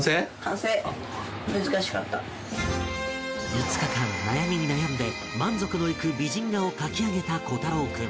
５日間悩みに悩んで満足のいく美人画を描き上げた虎太朗君